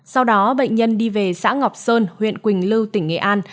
sau đó bệnh nhân đi về xã ngọc sơn huyện quỳnh lưu tỉnh nghệ an